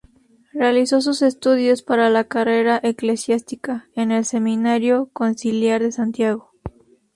Realizó sus estudios, para la carrera eclesiástica, en el Seminario Conciliar de Santiago.